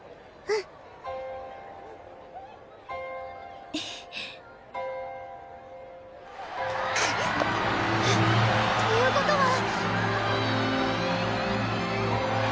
くっ⁉え？ということは。